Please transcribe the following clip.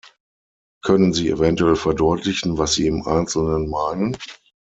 Können Sie eventuell verdeutlichen, was Sie im Einzelnen meinen?